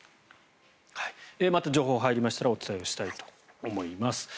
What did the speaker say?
また情報が入りましたらお伝えしたいと思います。